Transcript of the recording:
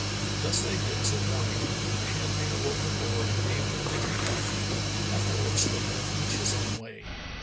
Thus they did till morning, when the handmaid awoke her lord and gave them to drink coffee, after which they went each his own way.